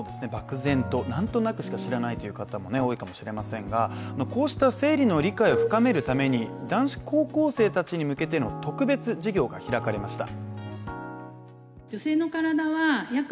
漠然となんとなくしか知らないという方も多いかと思いますがこうした生理の理解を深めるために男子高校生に向けての特別授業が開かれました。